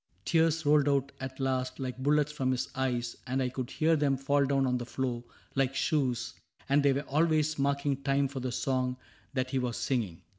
Tears Rolled out at last like bullets from his eyes, And I could hear them fall down on the floor Like shoes ; and they were always marking time For the song that he was singing.